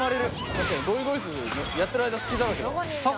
確かにゴイゴイスーやってる間隙だらけだ。